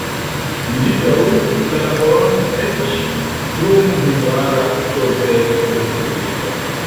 Li daŭris la laboron eĉ dum Hungara Sovetrespubliko.